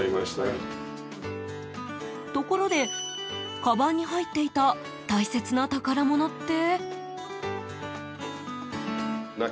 ところで、かばんに入っていた大切な宝物って？